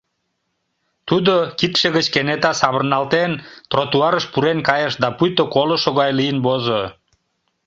Тудо кидше гыч кенета савырналтен, тротуарыш пурен кайыш да пуйто колышо гай лийын возо.